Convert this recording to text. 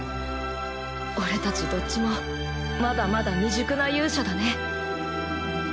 俺たちどっちもまだまだ未熟な勇者だね